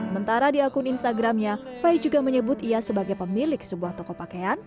mentara di akun instagramnya fai juga menyebut ia sebagai pemilik sebuah toko pakaian